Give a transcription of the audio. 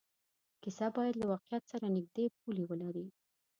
کیسه باید له واقعیت سره نږدې پولې ولري.